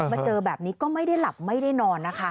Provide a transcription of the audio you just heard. เจอแบบนี้ก็ไม่ได้หลับไม่ได้นอนนะคะ